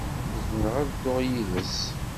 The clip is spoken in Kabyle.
Zemreɣ ad dduɣ yid-s?